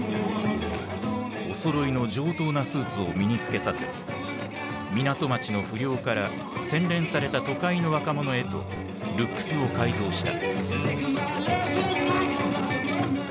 おそろいの上等なスーツを身に着けさせ港町の不良から洗練された都会の若者へとルックスを改造した。